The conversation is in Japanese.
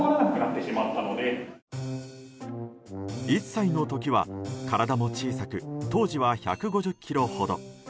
１歳の時は体も小さく当時は１５０ｋｇほど。